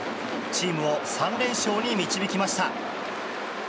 チームを３連勝に導きました。